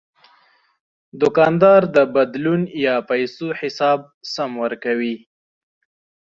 دوکاندار د بدلون یا پیسو حساب سم ورکوي.